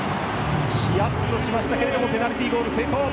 ヒヤッとしましたけれどもペナルティゴール成功。